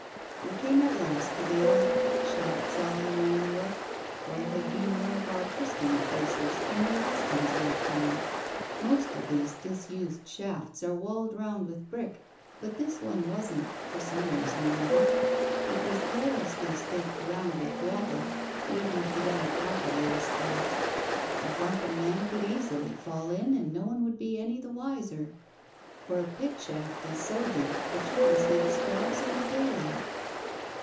We came at last to the old pit shaft Sally and I knew of, for it had been one of our trysting places in her hus band's lifetime. Most of these disused shafts are walled round with brick, but this one wasn't, for some reason or other. It was carelessly staked round with wattle, wait ing to be done properly, I suppose. A drunken man could easily fall in and no one be any the wiser. For a pit shaft is so deep that you can see the stars in the daylight.